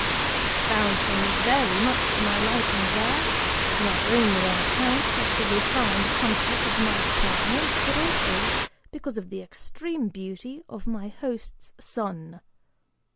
I found things very much to my liking there, not only on account of the refined comfort of my apartments, but also because of the extreme beauty of my host's son.